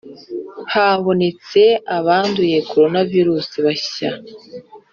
habonetse abanduye coronavirus bashya